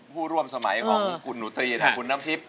ผู้ร่วมสมัยของคุณหนูตรีทั้งคุณน้ำทิพย